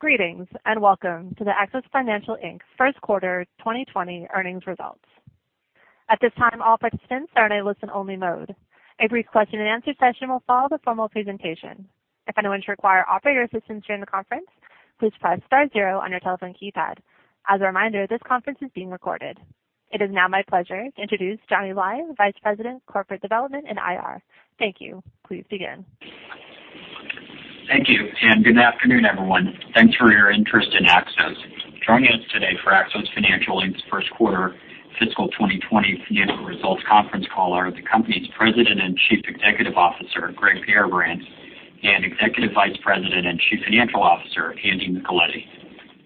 Greetings, welcome to the Axos Financial Inc. first quarter 2020 earnings results. At this time, all participants are in a listen only mode. A brief question and answer session will follow the formal presentation. If anyone should require operator assistance during the conference, please press star zero on your telephone keypad. As a reminder, this conference is being recorded. It is now my pleasure to introduce Johnny Lai, Vice President of Corporate Development and IR. Thank you. Please begin. Thank you. Good afternoon, everyone. Thanks for your interest in Axos. Joining us today for Axos Financial, Inc.'s first quarter fiscal 2020 financial results conference call are the company's President and Chief Executive Officer, Gregory Garrabrants, and Executive Vice President and Chief Financial Officer, Andy Micheletti.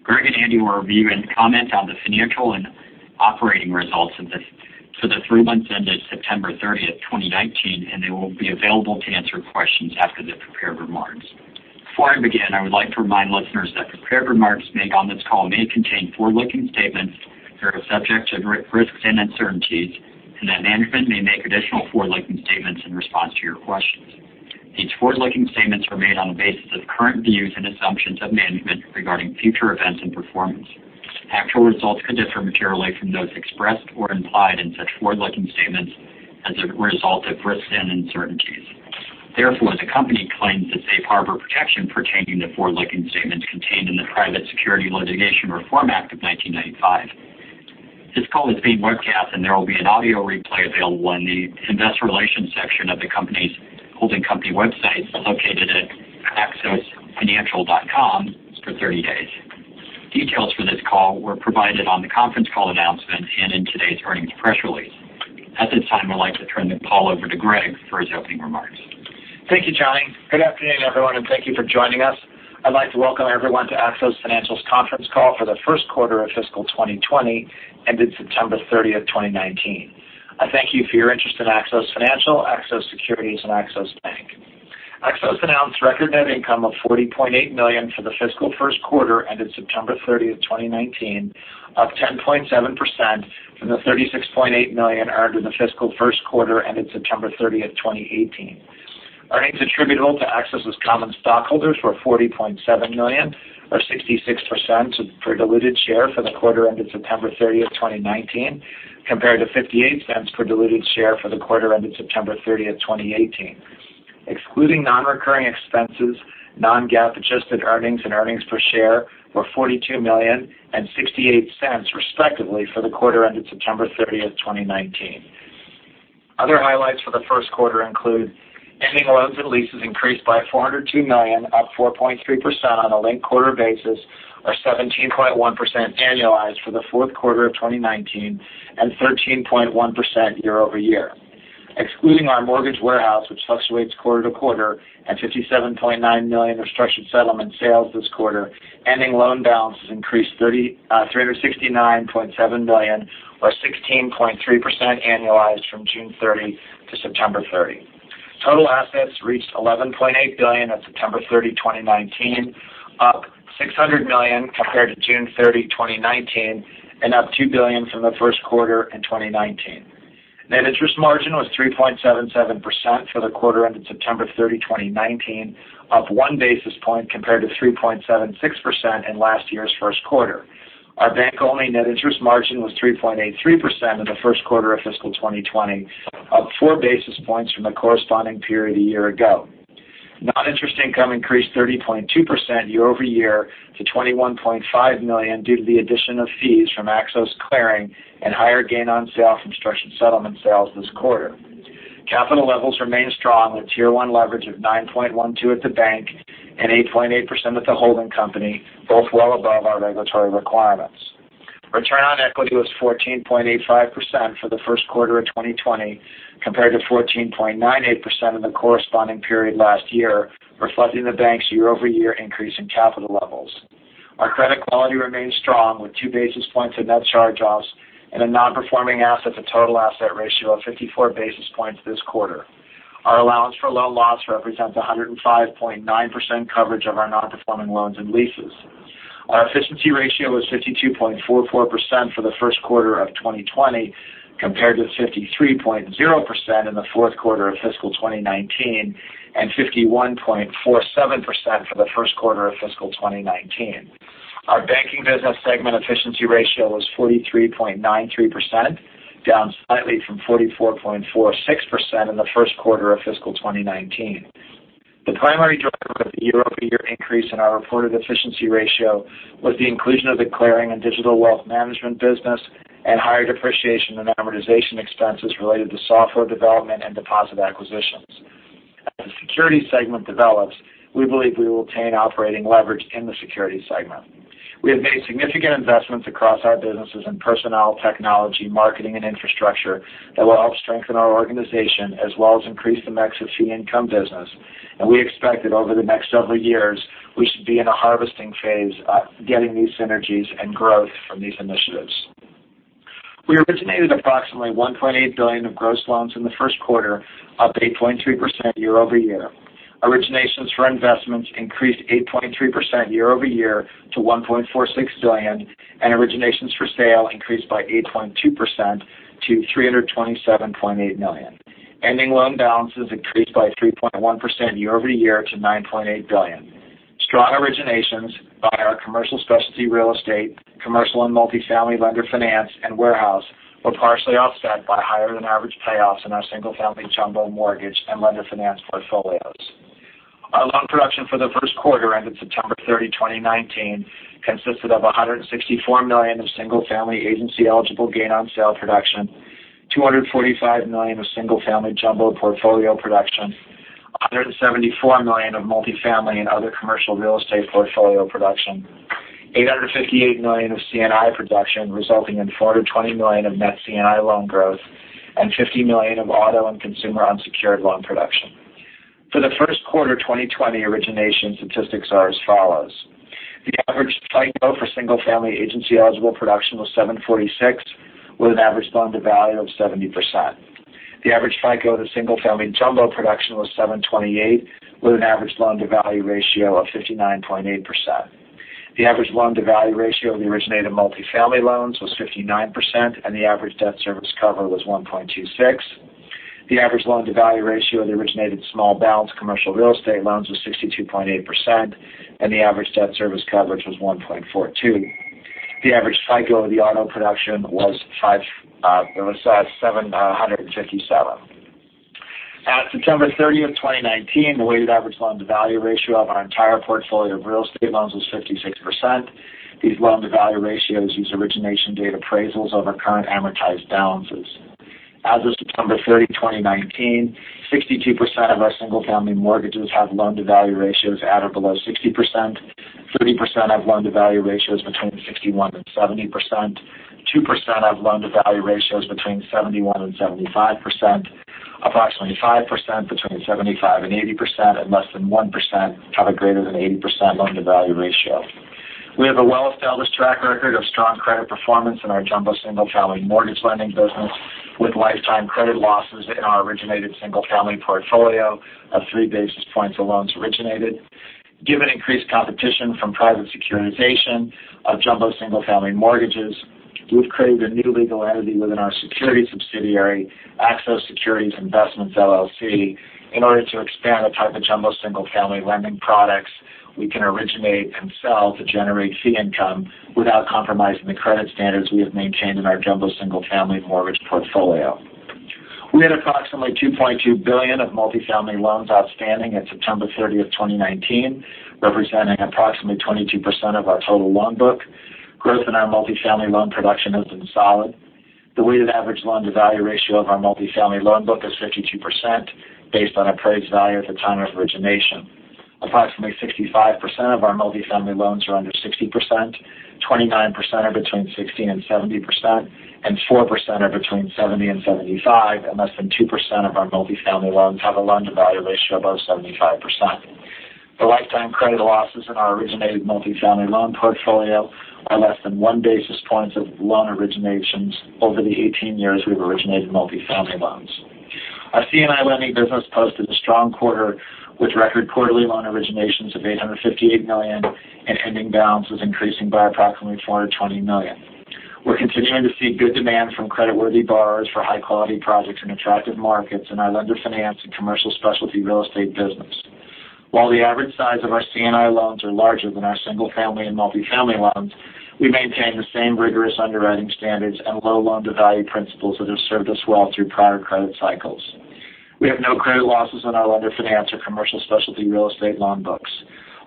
Greg and Andy will review and comment on the financial and operating results for the three months ended September 30th, 2019, and they will be available to answer questions after the prepared remarks. Before I begin, I would like to remind listeners that prepared remarks made on this call may contain forward-looking statements that are subject to risks and uncertainties, and that management may make additional forward-looking statements in response to your questions. These forward-looking statements are made on the basis of current views and assumptions of management regarding future events and performance. Actual results could differ materially from those expressed or implied in such forward-looking statements as a result of risks and uncertainties. Therefore, the company claims the safe harbor protection pertaining to forward-looking statements contained in the Private Securities Litigation Reform Act of 1995. This call is being webcast, and there will be an audio replay available on the Investor Relations section of the company's holding company website, located at axosfinancial.com for 30 days. Details for this call were provided on the conference call announcement and in today's earnings press release. At this time, I'd like to turn the call over to Greg for his opening remarks. Thank you, Johnny. Good afternoon, everyone, and thank you for joining us. I'd like to welcome everyone to Axos Financial's conference call for the first quarter of fiscal 2020, ended September 30th, 2019. I thank you for your interest in Axos Financial, Axos Securities, and Axos Bank. Axos announced record net income of $40.8 million for the fiscal first quarter ended September 30th, 2019, up 10.7% from the $36.8 million earned in the fiscal first quarter ended September 30th, 2018. Earnings attributable to Axos' common stockholders were $40.7 million or $0.66 per diluted share for the quarter ended September 30th, 2019, compared to $0.58 per diluted share for the quarter ended September 30th, 2018. Excluding non-recurring expenses, non-GAAP adjusted earnings and earnings per share were $42 million and $0.68 respectively for the quarter ended September 30th, 2019. Other highlights for the first quarter include ending loans and leases increased by $402 million, up 4.3% on a linked-quarter basis, or 17.1% annualized for the fourth quarter of 2019, and 13.1% year-over-year. Excluding our mortgage warehouse, which fluctuates quarter-to-quarter, and $57.9 million of structured settlement sales this quarter, ending loan balances increased $369.7 million, or 16.3% annualized from June 30 to September 30. Total assets reached $11.8 billion at September 30, 2019, up $600 million compared to June 30, 2019, and up $2 billion from the first quarter in 2019. Net interest margin was 3.77% for the quarter ended September 30, 2019, up one basis point compared to 3.76% in last year's first quarter. Our bank-only net interest margin was 3.83% in the first quarter of fiscal 2020, up four basis points from the corresponding period a year ago. Non-interest income increased 30.2% year-over-year to $21.5 million due to the addition of fees from Axos Clearing and higher gain on sale from structured settlement sales this quarter. Capital levels remain strong with Tier 1 leverage of 9.12% at the bank and 8.8% at the holding company, both well above our regulatory requirements. Return on equity was 14.85% for the first quarter of 2020 compared to 14.98% in the corresponding period last year, reflecting the bank's year-over-year increase in capital levels. Our credit quality remains strong with two basis points of net charge-offs and a non-performing assets to total asset ratio of 54 basis points this quarter. Our allowance for loan loss represents 105.9% coverage of our non-performing loans and leases. Our efficiency ratio was 52.44% for the first quarter of 2020, compared to 53.0% in the fourth quarter of fiscal 2019 and 51.47% for the first quarter of fiscal 2019. Our banking business segment efficiency ratio was 43.93%, down slightly from 44.46% in the first quarter of fiscal 2019. The primary driver of the year-over-year increase in our reported efficiency ratio was the inclusion of the clearing and digital wealth management business and higher depreciation and amortization expenses related to software development and deposit acquisitions. As the securities segment develops, we believe we will obtain operating leverage in the securities segment. We have made significant investments across our businesses in personnel, technology, marketing, and infrastructure that will help strengthen our organization as well as increase the mix of fee income business. We expect that over the next several years, we should be in a harvesting phase, getting these synergies and growth from these initiatives. We originated approximately $1.8 billion of gross loans in the first quarter, up 8.3% year-over-year. Originations for investments increased 8.3% year-over-year to $1.46 billion, and originations for sale increased by 8.2% to $327.8 million. Ending loan balances increased by 3.1% year-over-year to $9.8 billion. Strong originations by our commercial specialty real estate, commercial and multifamily lender finance, and warehouse were partially offset by higher than average payoffs in our single-family jumbo mortgage and lender finance portfolios. Our loan production for the first quarter ended September 30, 2019, consisted of $164 million of single-family agency-eligible gain on sale production, $245 million of single-family jumbo portfolio production, $174 million of multifamily and other commercial real estate portfolio production, $858 million of C&I production, resulting in $420 million of net C&I loan growth, and $50 million of auto and consumer unsecured loan production. For the first quarter 2020, origination statistics are as follows: The average FICO for single-family agency-eligible production was 746, with an average loan-to-value of 70%. The average FICO of the single-family jumbo production was 728, with an average loan-to-value ratio of 59.8%. The average loan-to-value ratio of the originated multifamily loans was 59%, and the average debt service cover was 1.26. The average loan-to-value ratio of the originated small balance commercial real estate loans was 62.8%, and the average debt service coverage was 1.42. The average FICO of the auto production was 757. At September 30, 2019, the weighted average loan-to-value ratio of our entire portfolio of real estate loans was 56%. These loan-to-value ratios use origination date appraisals over current amortized balances. As of September 30, 2019, 62% of our single-family mortgages have loan-to-value ratios at or below 60%, 30% have loan-to-value ratios between 61%-70%, 2% have loan-to-value ratios between 71%-75%, approximately 5% between 75%-80%, and less than 1% have a greater than 80% loan-to-value ratio. We have a well-established track record of strong credit performance in our jumbo single-family mortgage lending business, with lifetime credit losses in our originated single-family portfolio of three basis points of loans originated. Given increased competition from private securitization of jumbo single-family mortgages, we've created a new legal entity within our securities subsidiary, Axos Securities Investments LLC, in order to expand the type of jumbo single-family lending products we can originate and sell to generate fee income without compromising the credit standards we have maintained in our jumbo single-family mortgage portfolio. We had approximately $2.2 billion of multifamily loans outstanding at September 30th, 2019, representing approximately 22% of our total loan book. Growth in our multifamily loan production has been solid. The weighted average loan-to-value ratio of our multifamily loan book is 52%, based on appraised value at the time of origination. Approximately 65% of our multifamily loans are under 60%, 29% are between 60% and 70%, and 4% are between 70% and 75%, and less than 2% of our multifamily loans have a loan-to-value ratio above 75%. The lifetime credit losses in our originated multifamily loan portfolio are less than one basis point of loan originations over the 18 years we've originated multifamily loans. Our C&I lending business posted a strong quarter with record quarterly loan originations of $858 million and ending balances increasing by approximately $420 million. We're continuing to see good demand from creditworthy borrowers for high-quality projects in attractive markets in our lender finance and commercial specialty real estate business. While the average size of our C&I loans are larger than our single-family and multifamily loans, we maintain the same rigorous underwriting standards and low loan-to-value principles that have served us well through prior credit cycles. We have no credit losses on our lender finance or commercial specialty real estate loan books.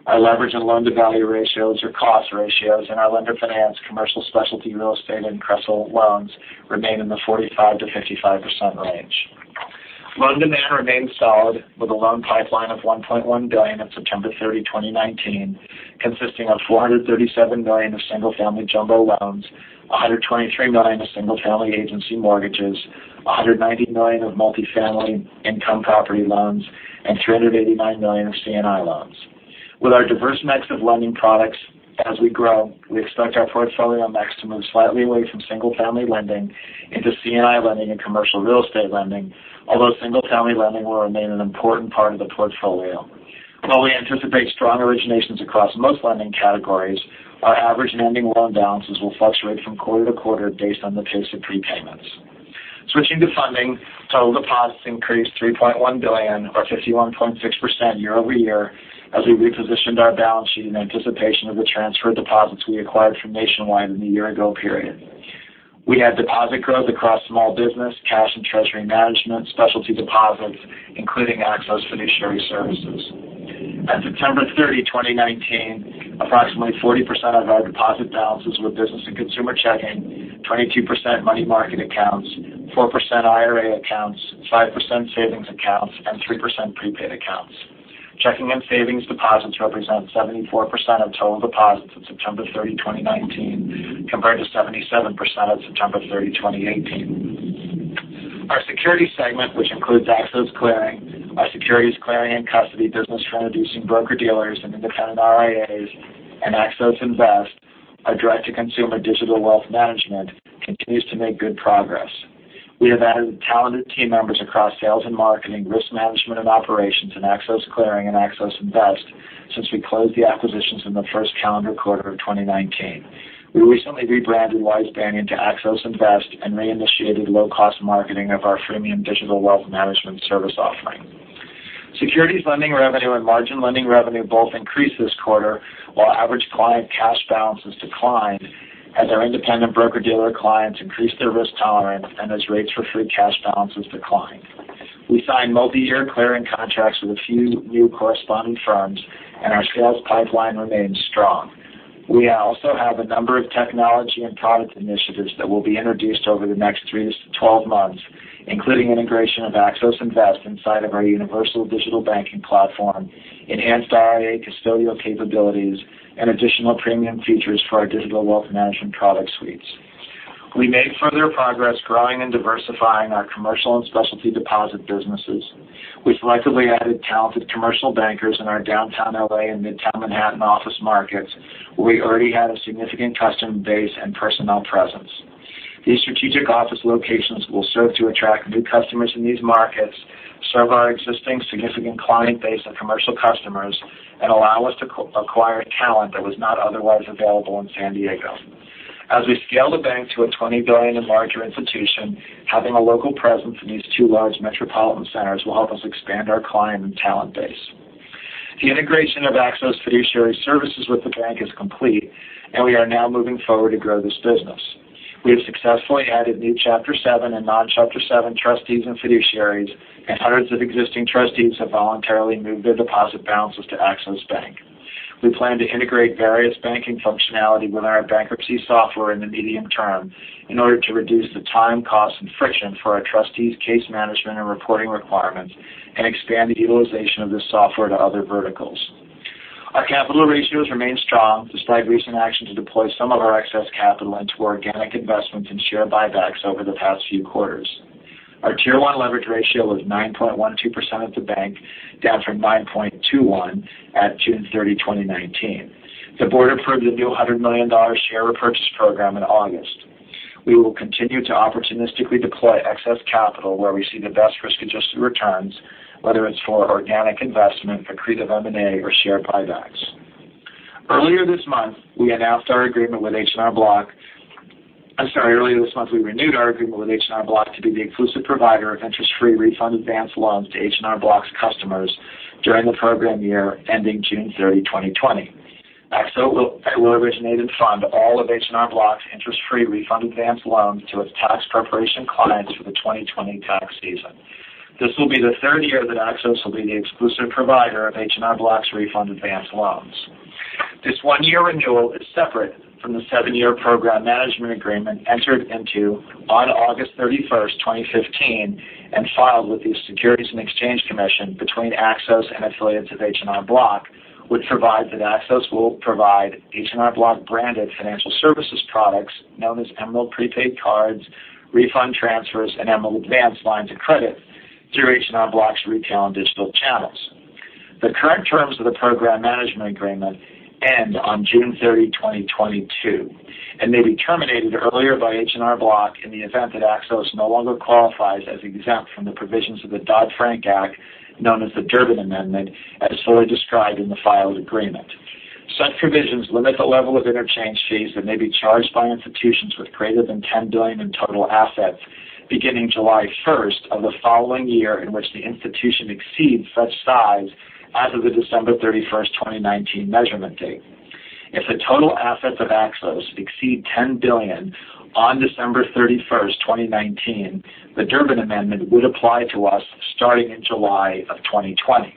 Our leverage and loan-to-value ratios or cost ratios in our lender finance commercial specialty real estate and CRE CLO loans remain in the 45%-55% range. Loan demand remains solid with a loan pipeline of $1.1 billion at September 30, 2019, consisting of $437 million of single-family jumbo loans, $123 million of single-family agency mortgages, $190 million of multifamily income property loans, and $389 million of C&I loans. With our diverse mix of lending products as we grow, we expect our portfolio mix to move slightly away from single-family lending into C&I lending and commercial real estate lending. Although single-family lending will remain an important part of the portfolio. While we anticipate strong originations across most lending categories, our average ending loan balances will fluctuate from quarter to quarter based on the pace of prepayments. Switching to funding, total deposits increased $3.1 billion or 51.6% year-over-year, as we repositioned our balance sheet in anticipation of the transfer of deposits we acquired from Nationwide in the year-ago period. We had deposit growth across small business, cash and treasury management, specialty deposits, including Axos Fiduciary Services. At September 30, 2019, approximately 40% of our deposit balances were business and consumer checking, 22% money market accounts, 4% IRA accounts, 5% savings accounts, and 3% prepaid accounts. Checking and savings deposits represent 74% of total deposits at September 30, 2019, compared to 77% at September 30, 2018. Our security segment, which includes Axos Clearing, our securities clearing and custody business for introducing broker-dealers and independent RIAs, and Axos Invest, our direct-to-consumer digital wealth management, continues to make good progress. We have added talented team members across sales and marketing, risk management and operations in Axos Clearing and Axos Invest. Since we closed the acquisitions in the first calendar quarter of 2019. We recently rebranded WiseBanyan to Axos Invest and reinitiated low-cost marketing of our freemium digital wealth management service offering. Securities lending revenue and margin lending revenue both increased this quarter, while average client cash balances declined as our independent broker-dealer clients increased their risk tolerance and as rates for free cash balances declined. We signed multi-year clearing contracts with a few new corresponding firms, and our sales pipeline remains strong. We also have a number of technology and product initiatives that will be introduced over the next three to 12 months, including integration of Axos Invest inside of our universal digital banking platform, enhanced IRA custodial capabilities, and additional premium features for our digital wealth management product suites. We made further progress growing and diversifying our commercial and specialty deposit businesses. We selectively added talented commercial bankers in our downtown L.A. and Midtown Manhattan office markets, where we already had a significant customer base and personnel presence. These strategic office locations will serve to attract new customers in these markets, serve our existing significant client base of commercial customers, and allow us to acquire talent that was not otherwise available in San Diego. As we scale the bank to a $20 billion and larger institution, having a local presence in these two large metropolitan centers will help us expand our client and talent base. The integration of Axos Fiduciary Services with the bank is complete, we are now moving forward to grow this business. We have successfully added new Chapter 7 and non-Chapter 7 trustees and fiduciaries, and hundreds of existing trustees have voluntarily moved their deposit balances to Axos Bank. We plan to integrate various banking functionality with our bankruptcy software in the medium term in order to reduce the time, cost, and friction for our trustees' case management and reporting requirements and expand the utilization of this software to other verticals. Our capital ratios remain strong despite recent action to deploy some of our excess capital into organic investments and share buybacks over the past few quarters. Our Tier 1 leverage ratio is 9.12% at the bank, down from 9.21% at June 30, 2019. The board approved a new $100 million share repurchase program in August. We will continue to opportunistically deploy excess capital where we see the best risk-adjusted returns, whether it's for organic investment, accretive M&A, or share buybacks. Earlier this month, we renewed our agreement with H&R Block to be the exclusive provider of interest-free refund advance loans to H&R Block's customers during the program year ending June 30, 2020. Axos will originate and fund all of H&R Block's interest-free refund advance loans to its tax preparation clients for the 2020 tax season. This will be the third year that Axos will be the exclusive provider of H&R Block's refund advance loans. This one-year renewal is separate from the seven-year program management agreement entered into on August 31st, 2015, and filed with the Securities and Exchange Commission between Axos and affiliates of H&R Block, which provides that Axos will provide H&R Block-branded financial services products known as Emerald Prepaid Cards, refund transfers, and Emerald Advance lines of credit through H&R Block's retail and digital channels. The current terms of the program management agreement end on June 30, 2022, and may be terminated earlier by H&R Block in the event that Axos no longer qualifies as exempt from the provisions of the Dodd-Frank Act, known as the Durbin Amendment, as fully described in the filed agreement. Such provisions limit the level of interchange fees that may be charged by institutions with greater than $10 billion in total assets beginning July 1st of the following year in which the institution exceeds such size as of the December 31st, 2019 measurement date. If the total assets of Axos exceed $10 billion on December 31st, 2019, the Durbin Amendment would apply to us starting in July of 2020.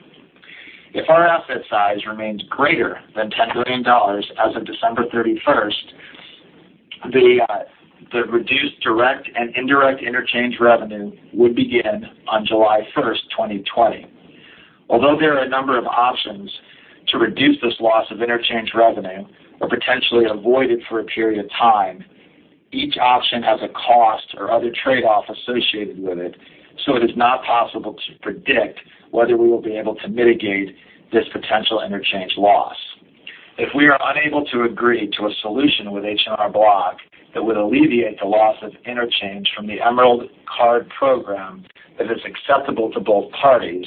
If our asset size remains greater than $10 billion as of December 31st, the reduced direct and indirect interchange revenue would begin on July 1st, 2020. Although there are a number of options to reduce this loss of interchange revenue or potentially avoid it for a period of time, each option has a cost or other trade-off associated with it, so it is not possible to predict whether we will be able to mitigate this potential interchange loss. If we are unable to agree to a solution with H&R Block that would alleviate the loss of interchange from the Emerald Card program that is acceptable to both parties,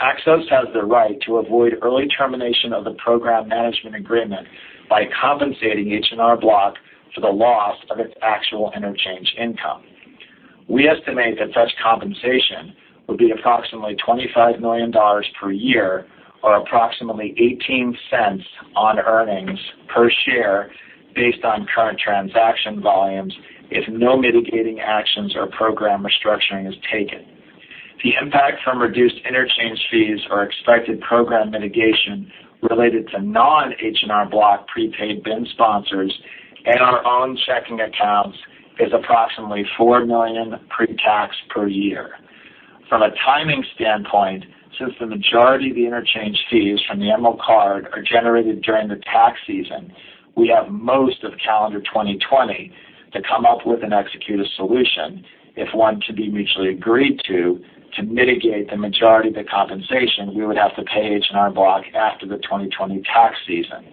Axos has the right to avoid early termination of the program management agreement by compensating H&R Block for the loss of its actual interchange income. We estimate that such compensation would be approximately $25 million per year or approximately $0.18 on earnings per share based on current transaction volumes if no mitigating actions or program restructuring is taken. The impact from reduced interchange fees or expected program mitigation related to non-H&R Block prepaid BIN sponsors and our own checking accounts is approximately $4 million pre-tax per year. From a timing standpoint, since the majority of the interchange fees from the Emerald Card are generated during the tax season, we have most of calendar 2020 to come up with and execute a solution, if one can be mutually agreed to mitigate the majority of the compensation we would have to pay H&R Block after the 2020 tax season.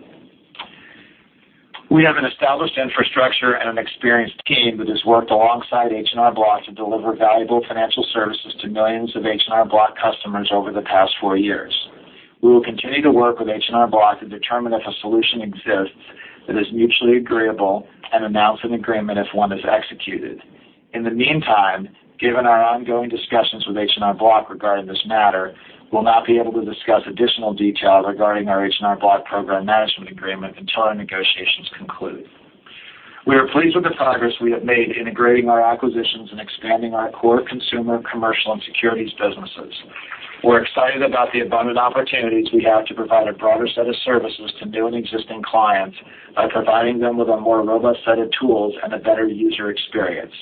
We have an established infrastructure and an experienced team that has worked alongside H&R Block to deliver valuable financial services to millions of H&R Block customers over the past four years. We will continue to work with H&R Block to determine if a solution exists that is mutually agreeable and announce an agreement if one is executed. In the meantime, given our ongoing discussions with H&R Block regarding this matter, we'll not be able to discuss additional details regarding our H&R Block program management agreement until our negotiations conclude. We are pleased with the progress we have made integrating our acquisitions and expanding our core consumer, commercial, and securities businesses. We're excited about the abundant opportunities we have to provide a broader set of services to new and existing clients by providing them with a more robust set of tools and a better user experience.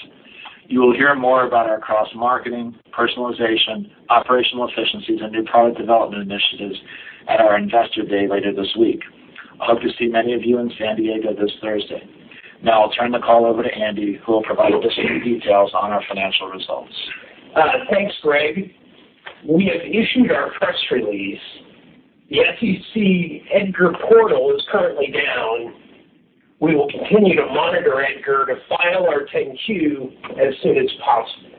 You will hear more about our cross-marketing, personalization, operational efficiencies, and new product development initiatives at our Investor Day later this week. I hope to see many of you in San Diego this Thursday. I'll turn the call over to Andy, who will provide additional details on our financial results. Thanks, Greg. We have issued our press release. The SEC EDGAR portal is currently down. We will continue to monitor EDGAR to file our 10-Q as soon as possible.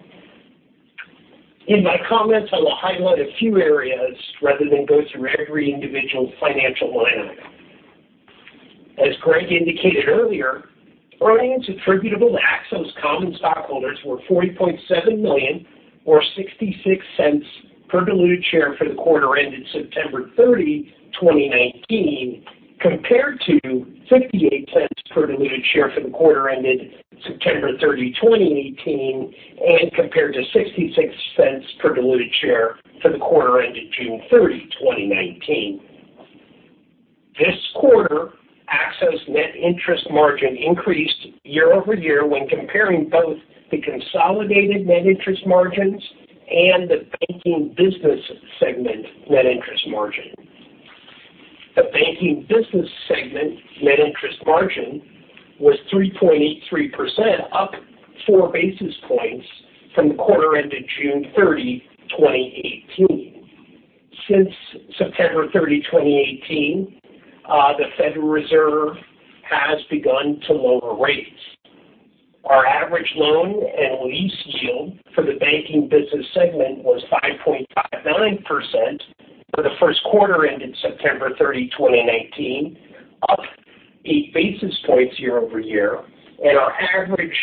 In my comments, I will highlight a few areas rather than go through every individual financial line item. As Greg indicated earlier, earnings attributable to Axos common stockholders were $40.7 million, or $0.66 per diluted share for the quarter ended September 30, 2019, compared to $0.58 per diluted share for the quarter ended September 30, 2018, and compared to $0.66 per diluted share for the quarter ended June 30, 2019. This quarter, Axos' net interest margin increased year-over-year when comparing both the consolidated net interest margins and the banking business segment net interest margin. The banking business segment net interest margin was 3.83%, up 4 basis points from the quarter ended June 30, 2018. Since September 30, 2018, the Federal Reserve has begun to lower rates. Our average loan and lease yield for the banking business segment was 5.59% for the first quarter ended September 30, 2019, up 8 basis points year-over-year, and our average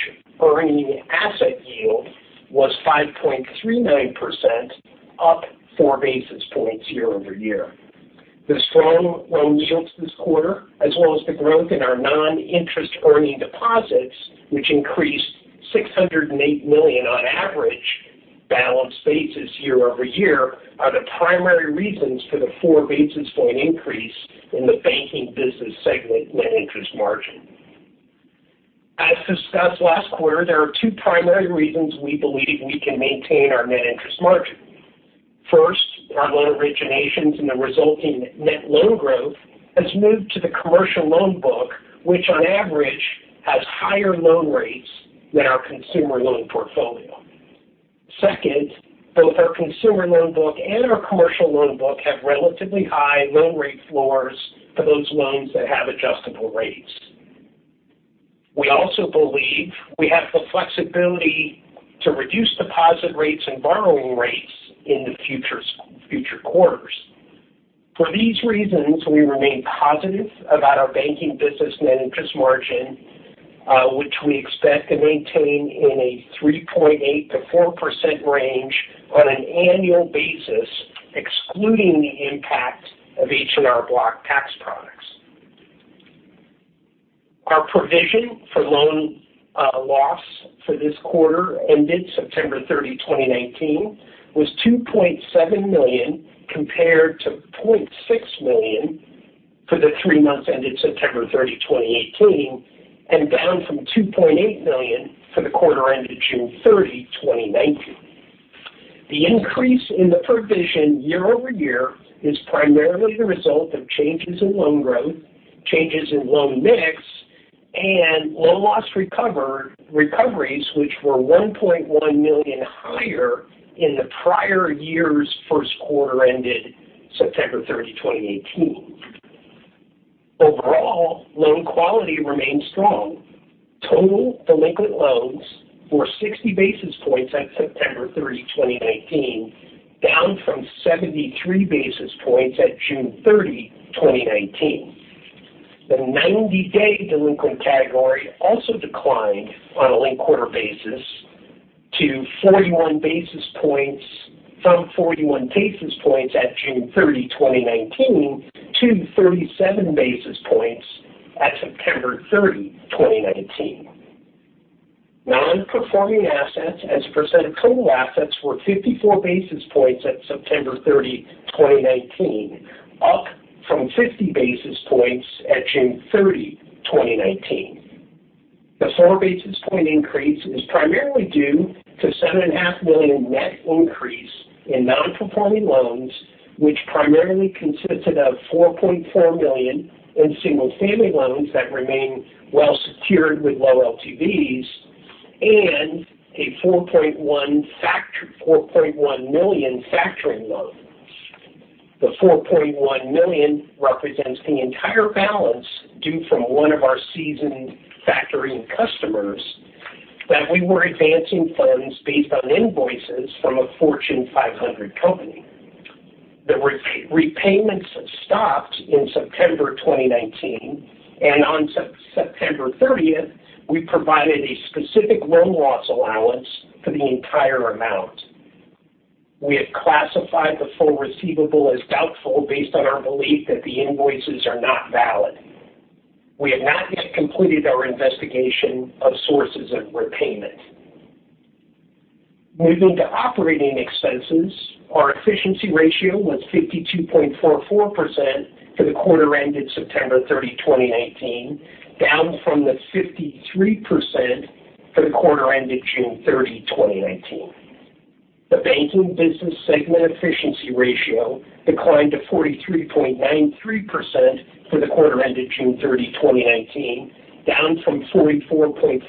earning asset yield was 5.39%, up 4 basis points year-over-year. The strong loan yields this quarter, as well as the growth in our non-interest earning deposits, which increased $608 million on average balanced basis year-over-year, are the primary reasons for the 4 basis point increase in the banking business segment net interest margin. As discussed last quarter, there are two primary reasons we believe we can maintain our net interest margin. First, our loan originations and the resulting net loan growth has moved to the commercial loan book, which on average has higher loan rates than our consumer loan portfolio. Second, both our consumer loan book and our commercial loan book have relatively high loan rate floors for those loans that have adjustable rates. We also believe we have the flexibility to reduce deposit rates and borrowing rates in the future quarters. For these reasons, we remain positive about our banking business net interest margin, which we expect to maintain in a 3.8%-4% range on an annual basis, excluding the impact of H&R Block tax products. Our provision for loan loss for this quarter ended September 30, 2019, was $2.7 million, compared to $0.6 million for the three months ended September 30, 2018, and down from $2.8 million for the quarter ended June 30, 2019. The increase in the provision year-over-year is primarily the result of changes in loan growth, changes in loan mix, and loan loss recoveries, which were $1.1 million higher in the prior year's first quarter ended September 30, 2018. Overall, loan quality remains strong. Total delinquent loans were 60 basis points at September 30, 2019, down from 73 basis points at June 30, 2019. The 90-day delinquent category also declined on a linked quarter basis from 41 basis points at June 30, 2019, to 37 basis points at September 30, 2019. Non-performing assets as a percent of total assets were 54 basis points at September 30, 2019, up from 50 basis points at June 30, 2019. The 4 basis point increase is primarily due to $7.5 million net increase in non-performing loans, which primarily consisted of $4.4 million in single-family loans that remain well secured with low LTVs and a $4.1 million factoring loan. The $4.1 million represents the entire balance due from one of our season factoring customers that we were advancing funds based on invoices from a Fortune 500 company. The repayments stopped in September 2019, and on September 30th, we provided a specific loan loss allowance for the entire amount. We have classified the full receivable as doubtful based on our belief that the invoices are not valid. We have not yet completed our investigation of sources of repayment. Moving to operating expenses, our efficiency ratio was 52.44% for the quarter ended September 30, 2019, down from the 53% for the quarter ended June 30, 2019. The banking business segment efficiency ratio declined to 43.93% for the quarter ended June 30, 2019, down from 44.46%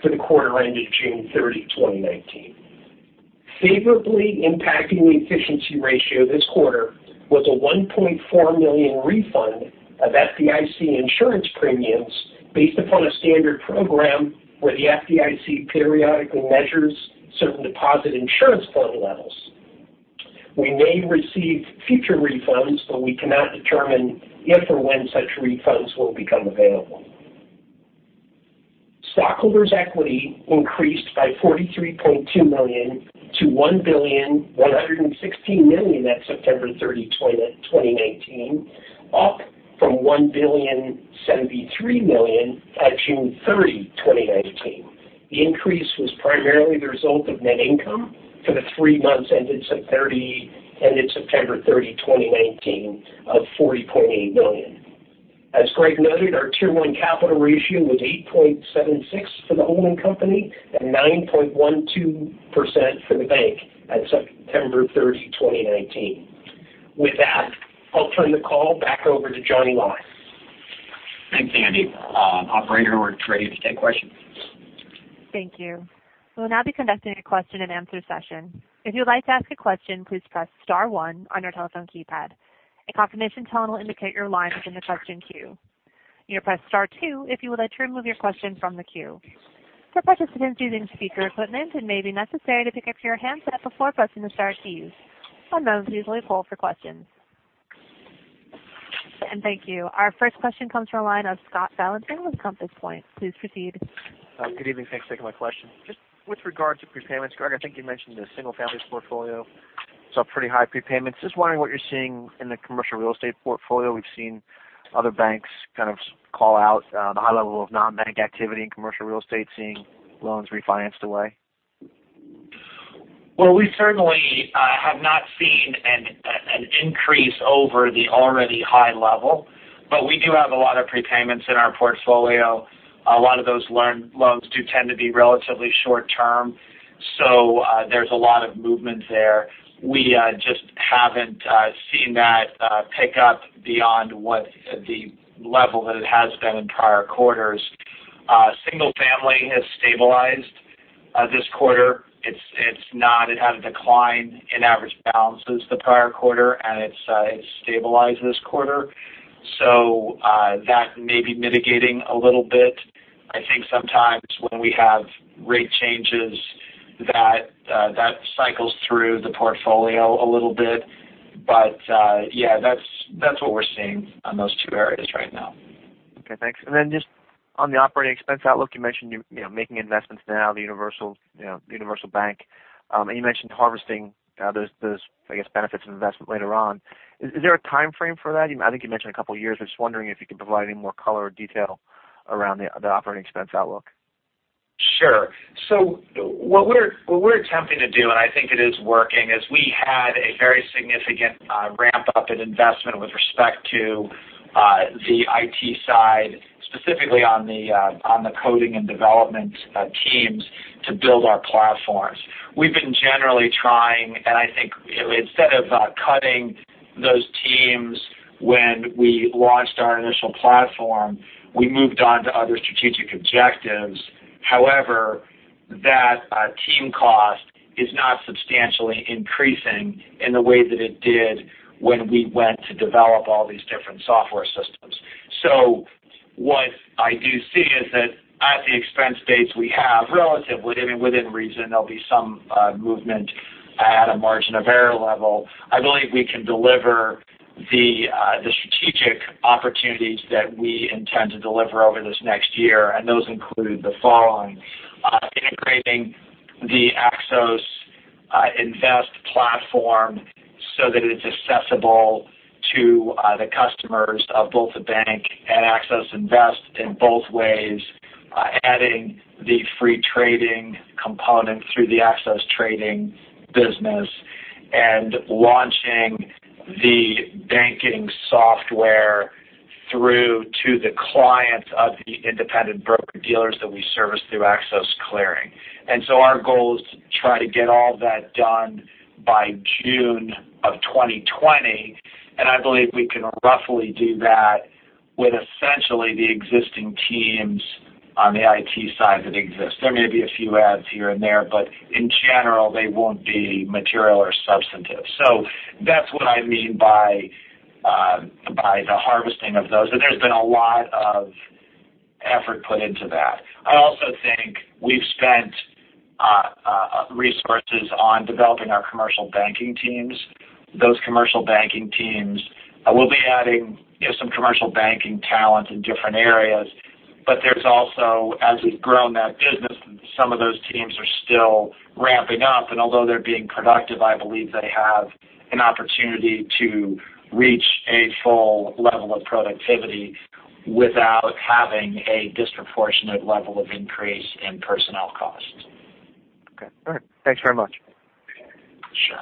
for the quarter ended June 30, 2019. Favorably impacting the efficiency ratio this quarter was a $1.4 million refund of FDIC insurance premiums based upon a standard program where the FDIC periodically measures certain deposit insurance fund levels. We may receive future refunds, but we cannot determine if or when such refunds will become available. Stockholders equity increased by $43.2 million to $1.116 billion at September 30, 2019, up from $1.073 billion at June 30, 2019. The increase was primarily the result of net income for the three months ended September 30, 2019, of $40.8 million. As Greg noted, our Tier 1 capital ratio was 8.76 for the holding company and 9.12% for the bank at September 30, 2019. With that, I'll turn the call back over to Johnny Lai. Thanks, Andy. Operator, we're ready to take questions. Thank you. We'll now be conducting a question and answer session. If you'd like to ask a question, please press star one on your telephone keypad. A confirmation tone will indicate your line is in the question queue. You'll press star two if you would like to remove your question from the queue. For participants using speaker equipment, it may be necessary to pick up your handset before pressing the star keys. One moment, please, while we poll for questions. Thank you. Our first question comes from the line of Scott Valentin with Compass Point. Please proceed. Good evening. Thanks for taking my question. Just with regard to prepayments, Greg, I think you mentioned the single-families portfolio saw pretty high prepayments. Just wondering what you're seeing in the commercial real estate portfolio. We've seen other banks kind of call out the high level of non-bank activity in commercial real estate, seeing loans refinanced away. We certainly have not seen an increase over the already high level, but we do have a lot of prepayments in our portfolio. A lot of those loans do tend to be relatively short-term, so there's a lot of movement there. We just haven't seen that pick up beyond what the level that it has been in prior quarters. Single family has stabilized this quarter. It had a decline in average balances the prior quarter, and it's stabilized this quarter. That may be mitigating a little bit. I think sometimes when we have rate changes, that cycles through the portfolio a little bit. That's what we're seeing on those two areas right now. Okay, thanks. Just on the operating expense outlook, you mentioned you're making investments now, the universal bank, and you mentioned harvesting those, I guess, benefits of investment later on. Is there a time frame for that? I think you mentioned a couple of years. I was just wondering if you could provide any more color or detail around the operating expense outlook. Sure. What we're attempting to do, and I think it is working, is we had a very significant ramp-up in investment with respect to the IT side, specifically on the coding and development teams to build our platforms. We've been generally trying, and I think instead of cutting those teams when we launched our initial platform, we moved on to other strategic objectives. However, that team cost is not substantially increasing in the way that it did when we went to develop all these different software systems. What I do see is that at the expense base we have, relatively, I mean, within reason, there'll be some movement at a margin of error level. I believe we can deliver the strategic opportunities that we intend to deliver over this next year, and those include the following. Integrating the Axos Invest platform so that it's accessible to the customers of both the bank and Axos Invest in both ways, adding the free trading component through the Axos trading business and launching the banking software through to the clients of the independent broker-dealers that we service through Axos Clearing. Our goal is to try to get all that done by June of 2020. I believe we can roughly do that with essentially the existing teams on the IT side that exist. There may be a few adds here and there, but in general, they won't be material or substantive. That's what I mean by the harvesting of those. There's been a lot of effort put into that. I also think we've spent resources on developing our commercial banking teams. Those commercial banking teams will be adding some commercial banking talent in different areas. There's also, as we've grown that business, some of those teams are still ramping up, and although they're being productive, I believe they have an opportunity to reach a full level of productivity without having a disproportionate level of increase in personnel costs. Okay. All right. Thanks very much. Sure.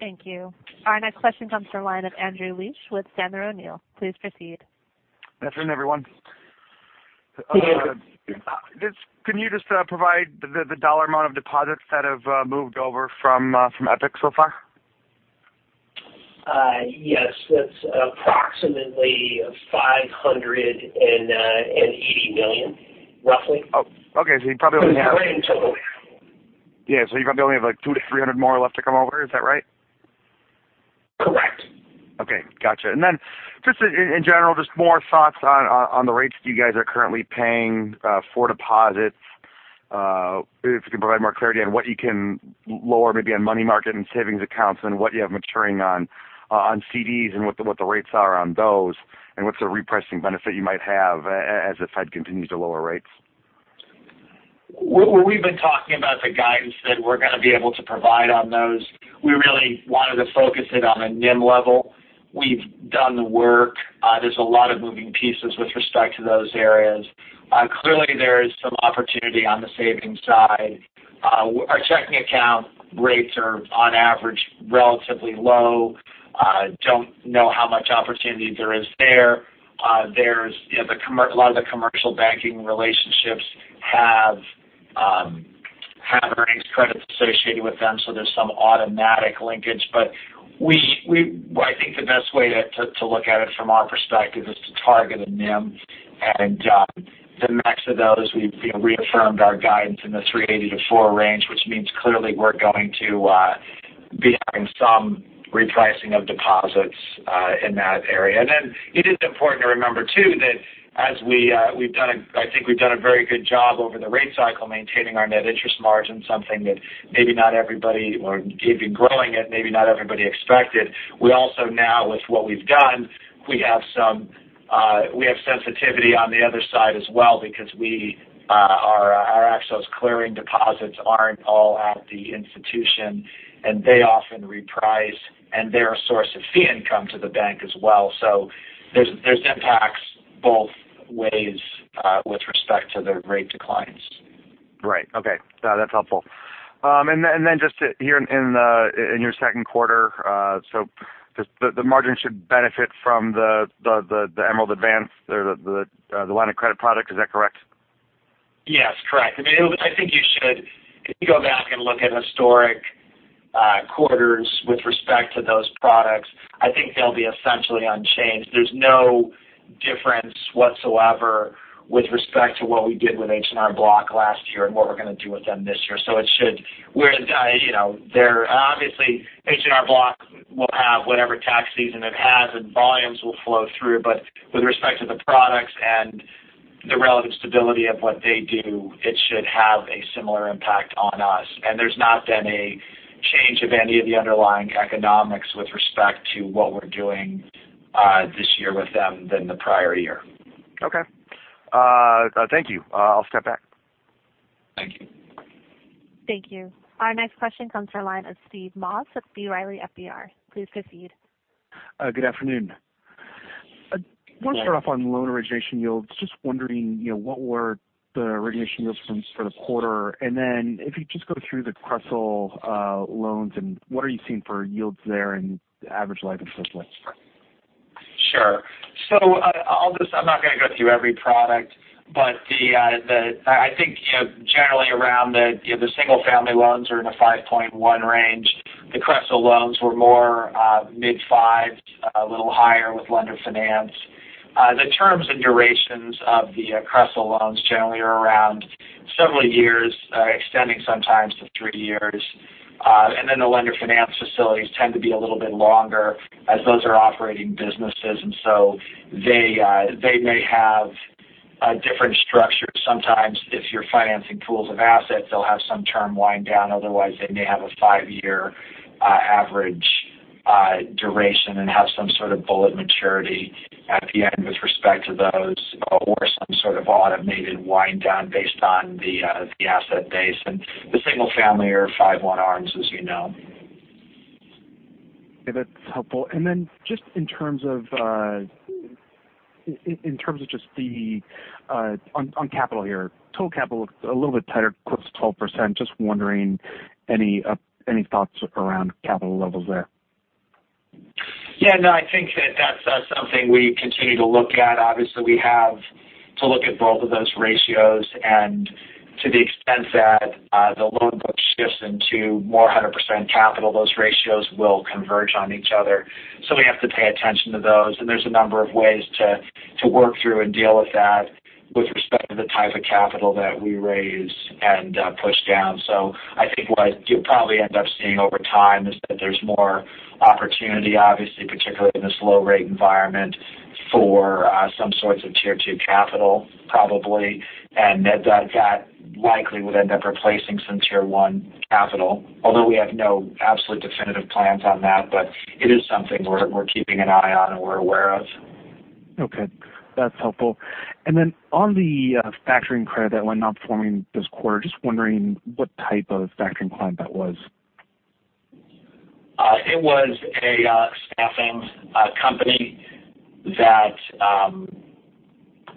Thank you. Our next question comes from the line of Andrew Liesch with Sandler O'Neill. Please proceed. Good afternoon, everyone. Good afternoon. Can you just provide the dollar amount of deposits that have moved over from Epiq so far? Yes. That's approximately $580 million, roughly. Okay. It was $1 billion total. Yeah. You probably only have like 200-300 more left to come over. Is that right? Correct. Okay. Got you. Just in general, just more thoughts on the rates that you guys are currently paying for deposits. If you can provide more clarity on what you can lower maybe on money market and savings accounts and what you have maturing on CDs and what the rates are on those, and what's the repricing benefit you might have as the Fed continues to lower rates. Where we've been talking about the guidance that we're going to be able to provide on those, we really wanted to focus it on the NIM level. We've done the work. There's a lot of moving pieces with respect to those areas. Clearly, there is some opportunity on the savings side. Our checking account rates are, on average, relatively low. Don't know how much opportunity there is. A lot of the commercial banking relationships have earnings credits associated with them. There's some automatic linkage. I think the best way to look at it from our perspective is to target a NIM. The mix of those, we've reaffirmed our guidance in the 380 to 4 range, which means clearly we're going to be having some repricing of deposits in that area. It is important to remember, too, that I think we've done a very good job over the rate cycle maintaining our net interest margin, something that maybe not everybody expected, or even growing it. We also now, with what we've done, we have sensitivity on the other side as well because our Axos Clearing deposits aren't all at the institution, and they often reprice, and they're a source of fee income to the bank as well. There's impacts both ways with respect to the rate declines. Right. Okay. That's helpful. Just here in your second quarter, the margin should benefit from the Emerald Advance, the line of credit product. Is that correct? Yes. Correct. I think you should go back and look at historic quarters with respect to those products. I think they'll be essentially unchanged. There's no difference whatsoever with respect to what we did with H&R Block last year and what we're going to do with them this year. Obviously, H&R Block will have whatever tax season it has, and volumes will flow through. With respect to the products and the relative stability of what they do, it should have a similar impact on us. There's not been a change of any of the underlying economics with respect to what we're doing this year with them than the prior year. Okay. Thank you. I'll step back. Thank you. Thank you. Our next question comes from the line of Steve Moss with B. Riley FBR. Please proceed. Good afternoon. Good afternoon. I want to start off on loan origination yields. Just wondering, what were the origination yields for the quarter? Then if you just go through the CRE CLO loans and what are you seeing for yields there and average life and so forth? Sure. I'm not going to go through every product, but I think generally around the single-family loans are in the 5.1% range. The Crestle loans were more mid-fives, a little higher with lender finance. The terms and durations of the Crestle loans generally are around several years, extending sometimes to three years. The lender finance facilities tend to be a little bit longer as those are operating businesses, they may have a different structure. Sometimes if you're financing pools of assets, they'll have some term wind down. Otherwise, they may have a five-year average duration and have some sort of bullet maturity at the end with respect to those or some sort of automated wind down based on the asset base. The single-family are 5.1% arms, as you know. Okay. That's helpful. Just in terms of just on capital here, total capital looks a little bit tighter, close to 12%. Just wondering, any thoughts around capital levels there? Yeah, no, I think that's something we continue to look at. Obviously, we have to look at both of those ratios and to the extent that the loan book shifts into more 100% capital, those ratios will converge on each other. We have to pay attention to those, and there's a number of ways to work through and deal with that with respect to the type of capital that we raise and push down. I think what you'll probably end up seeing over time is that there's more opportunity, obviously, particularly in this low rate environment, for some sorts of Tier 2 capital, probably. That likely would end up replacing some Tier 1 capital, although we have no absolute definitive plans on that. It is something we're keeping an eye on and we're aware of. Okay, that's helpful. Then on the factoring credit that went non-performing this quarter, just wondering what type of factoring client that was? It was a staffing company that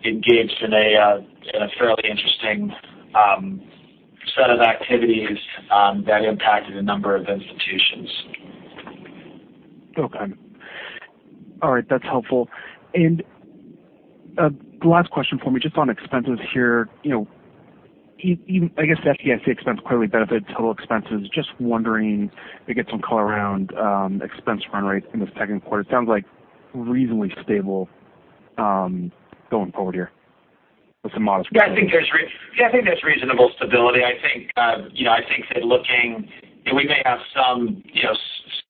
engaged in a fairly interesting set of activities that impacted a number of institutions. Okay. All right, that's helpful. The last question for me, just on expenses here. I guess the FDIC expense clearly benefits total expenses. Just wondering to get some color around expense run rates in the second quarter. It sounds reasonably stable going forward here with some modest growth. Yeah, I think there's reasonable stability. We may have some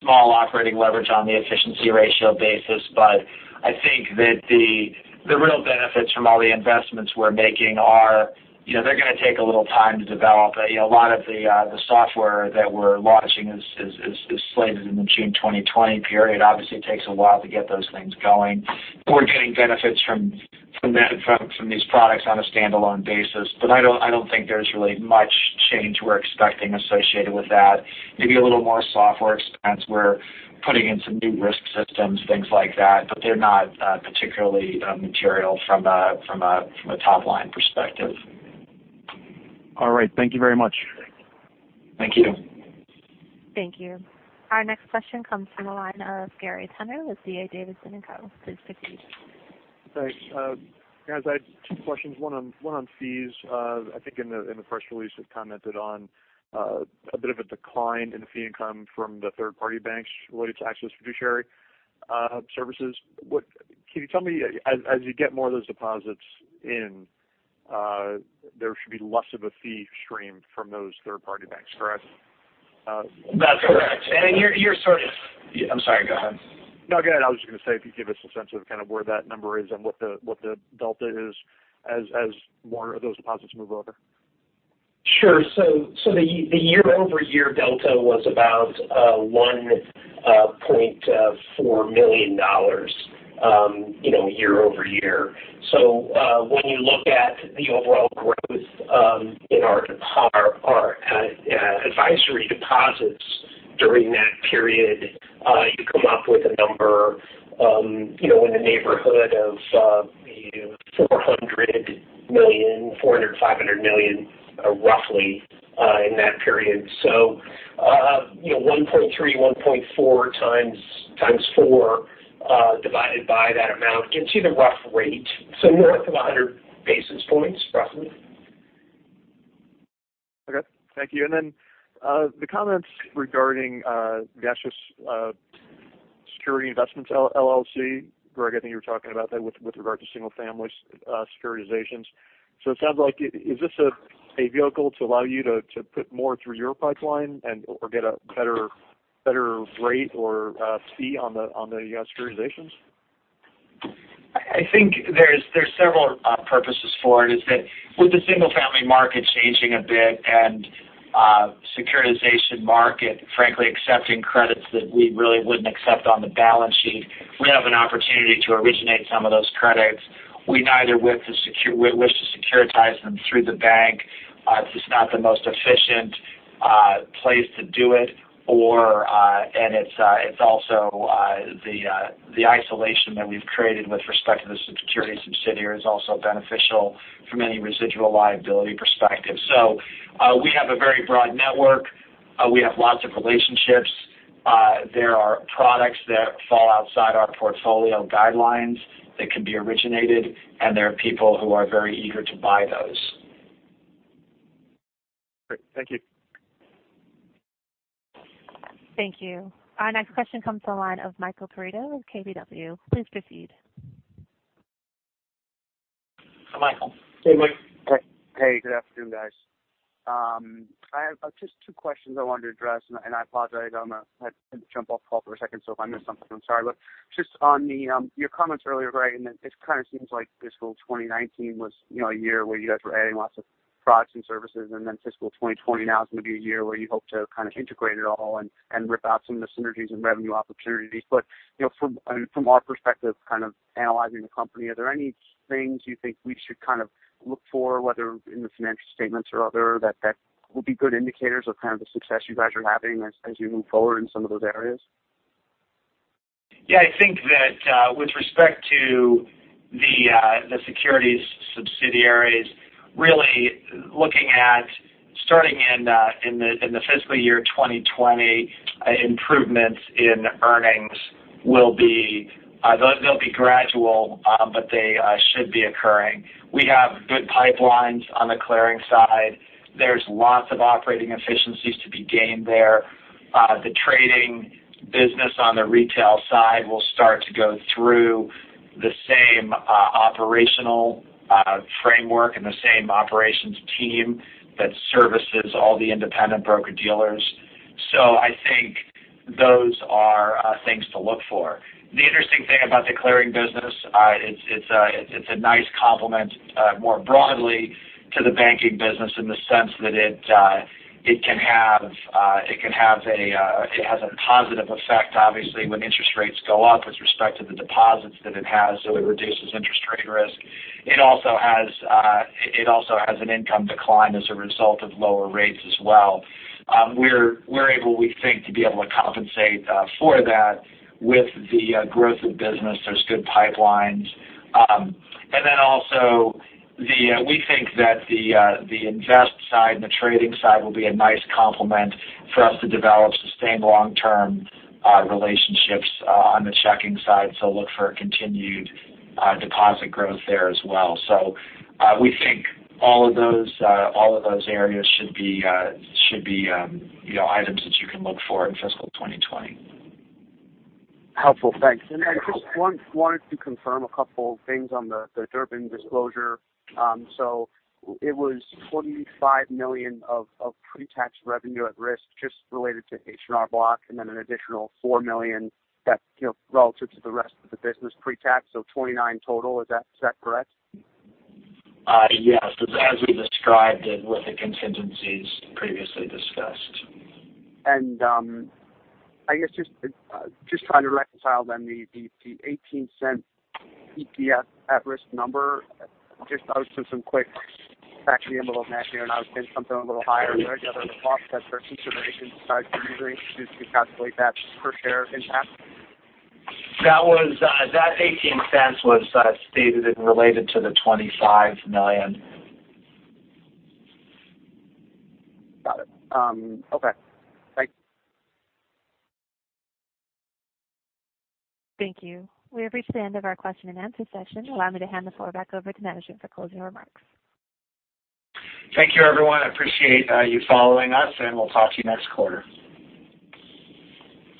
small operating leverage on the efficiency ratio basis, but I think that the real benefits from all the investments we're making are going to take a little time to develop. A lot of the software that we're launching is slated in the June 2020 period. Obviously, it takes a while to get those things going. We're getting benefits from these products on a standalone basis. I don't think there's really much change we're expecting associated with that. Maybe a little more software expense. We're putting in some new risk systems, things like that, but they're not particularly material from a top-line perspective. All right. Thank you very much. Thank you. Thank you. Our next question comes from the line of Gary Tenner with D.A. Davidson & Co. Please proceed. Thanks. Guys, I had two questions, one on fees. I think in the press release it commented on a bit of a decline in the fee income from the third-party banks related to Axos Fiduciary Services. Can you tell me, as you get more of those deposits in, there should be less of a fee stream from those third-party banks, correct? That's correct. I'm sorry, go ahead. No, go ahead. I was just going to say, if you could give us a sense of kind of where that number is and what the delta is as more of those deposits move over. Sure. The year-over-year delta was about $1.4 million, year-over-year. When you look at the overall growth in our advisory deposits during that period, you come up with a number in the neighborhood of $400 million-$500 million, roughly, in that period. 1.3, 1.4 times four divided by that amount gives you the rough rate. More like 100 basis points, roughly. Okay, thank you. The comments regarding the Axos Securities Investments LLC, Greg, I think you were talking about that with regard to single-family securitizations. It sounds like, is this a vehicle to allow you to put more through your pipeline or get a better rate or fee on the securitizations? I think there's several purposes for it, is that with the single-family market changing a bit and securitization market, frankly, accepting credits that we really wouldn't accept on the balance sheet, we have an opportunity to originate some of those credits. We neither wish to securitize them through the bank. It's just not the most efficient place to do it. It's also the isolation that we've created with respect to the securities subsidiary is also beneficial from any residual liability perspective. We have a very broad network. We have lots of relationships. There are products that fall outside our portfolio guidelines that can be originated, and there are people who are very eager to buy those. Great. Thank you. Thank you. Our next question comes from the line of Michael Perito with KBW. Please proceed. Hi, Michael. Hey, Mike. Hey, good afternoon, guys. I have just two questions I wanted to address, and I apologize. I had to jump off call for a second, so if I missed something, I'm sorry. Just on your comments earlier, Greg, and it kind of seems like fiscal 2019 was a year where you guys were adding lots of products and services, and then fiscal 2020 now is going to be a year where you hope to kind of integrate it all and rip out some of the synergies and revenue opportunities. From our perspective, kind of analyzing the company, are there any things you think we should kind of look for, whether in the financial statements or other, that will be good indicators of kind of the success you guys are having as you move forward in some of those areas? Yeah, I think that with respect to the securities subsidiaries, starting in the fiscal year 2020, improvements in earnings will be gradual, but they should be occurring. We have good pipelines on the clearing side. There's lots of operating efficiencies to be gained there. The trading business on the retail side will start to go through the same operational framework and the same operations team that services all the independent broker-dealers. I think those are things to look for. The interesting thing about the clearing business, it's a nice complement more broadly to the banking business in the sense that it has a positive effect, obviously, when interest rates go up with respect to the deposits that it has. It reduces interest rate risk. It also has an income decline as a result of lower rates as well. We're able, we think, to be able to compensate for that with the growth of business. There's good pipelines. We think that the invest side and the trading side will be a nice complement for us to develop sustained long-term relationships on the checking side. Look for continued deposit growth there as well. We think all of those areas should be items that you can look for in fiscal 2020. Helpful. Thanks. I just wanted to confirm a couple things on the Durbin disclosure. It was $25 million of pre-tax revenue at risk just related to H&R Block and then an additional $4 million that's relative to the rest of the business pre-tax. $29 total, is that correct? Yes. As we described it with the contingencies previously discussed. I guess just trying to reconcile then the $0.18 EPS at-risk number. Just out of some quick taxi envelope math here, and I was getting something a little higher there. Do you have a process or consideration as to how you introduced to calculate that per share impact? That $0.18 was stated and related to the $25 million. Got it. Okay. Thanks. Thank you. We have reached the end of our question and answer session. Allow me to hand the floor back over to management for closing remarks. Thank you, everyone. I appreciate you following us, and we'll talk to you next quarter.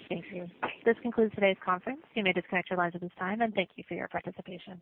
Thank you. This concludes today's conference. You may disconnect your lines at this time, and thank you for your participation.